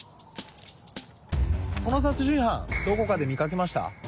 この殺人犯どこかで見かけました？